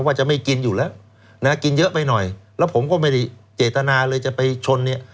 ว่าจะไม่กินอยู่แล้วนะกินเยอะไปหน่อยแล้วผมก็ไม่ได้เจตนาเลยจะไปชนเนี่ย